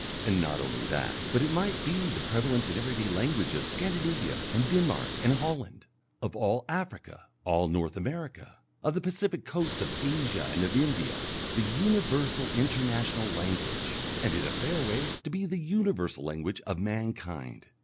And not only that, but it might be the prevalent and everyday language of Scandinavia and Denmark and Holland, of all Africa, all North America, of the Pacific coasts of Asia and of India, the universal international language, and in a fair way to be the universal language of mankind.